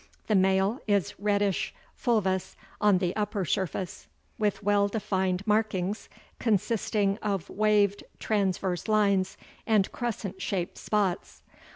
The male is reddish fulvous on the upper surface, with well defined markings consisting of waved transverse lines and crescent shaped spots.